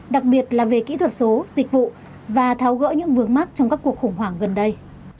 đặc biệt là về kỹ thuật số dịch vụ và tháo gỡ những vướng mắt trong các cuộc khủng hoảng gần đây